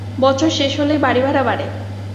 বছর শেষ হলেই বাড়িভাড়া বাড়ে।